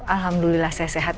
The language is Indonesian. alhamdulillah saya sehat